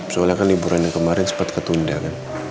soalnya kan liburan yang kemarin sempat ketunda kan